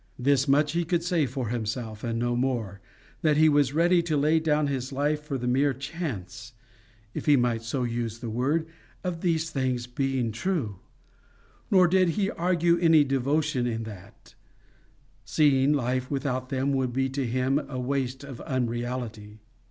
This much he could say for himself, and no more, that he was ready to lay down his life for the mere CHANCE, if he might so use the word, of these things being true; nor did he argue any devotion in that, seeing life without them would be to him a waste of unreality.